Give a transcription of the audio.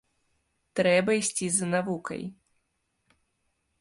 Трэба ісці за навукай.